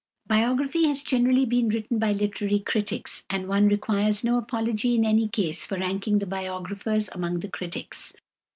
Biography has generally been written by literary critics, and one requires no apology in any case for ranking the biographers among the critics.